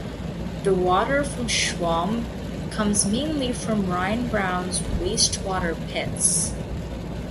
The water of the Schwalm comes mainly from "Rheinbraun's" waste water pits.